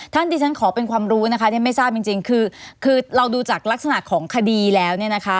ที่ฉันขอเป็นความรู้นะคะที่ไม่ทราบจริงคือเราดูจากลักษณะของคดีแล้วเนี่ยนะคะ